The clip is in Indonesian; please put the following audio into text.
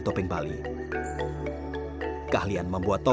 dan kebaikan manusia